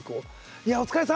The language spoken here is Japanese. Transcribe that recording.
お疲れさん！